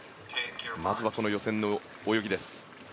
まずはこの予選の泳ぎです。